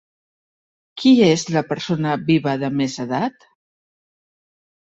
Qui és la persona viva de més edat?